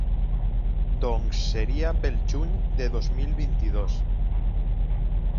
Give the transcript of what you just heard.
Doncs seria pel Juny de dos mil vint-i-dos.